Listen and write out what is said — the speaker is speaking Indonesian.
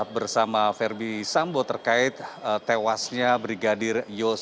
bersama ferdis sambo terkait tewasnya brigadir yodan